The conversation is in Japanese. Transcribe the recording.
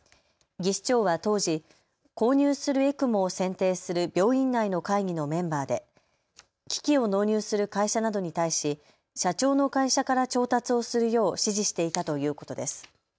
技士長は当時、購入するＥＣＭＯを選定する病院内の会議のメンバーで機器を納入する会社などに対し社長の会社から調達をするよう指示していたということです。